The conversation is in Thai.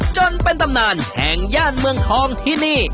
จนเป็นตำนานแห่งย่านเมืองทองที่นี่